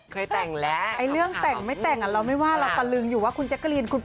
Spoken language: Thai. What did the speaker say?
ข้อมูลเต่งไม่แต่งแล้วเราไม่ว่าแต่ลืมอยู่ว่าคุณแจ๊กการีนคุณ